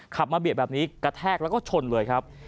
ขับมาเบียดแบบนี้กระแทกแล้วก็ชนเลยครับ